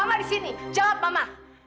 mama disini jawab mama